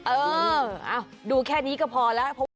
เออดูแค่นี้ก็พอแล้ว